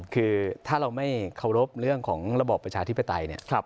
คือถ้าเราไม่เคารพเรื่องของระบอบประชาธิปไตยเนี่ย